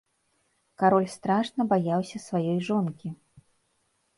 Кароль страшна баяўся сваёй жонкі.